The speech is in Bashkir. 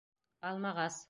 Алмағас